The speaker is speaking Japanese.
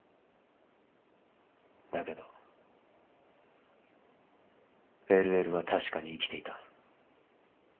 だけどＬＬは確かに生きていた。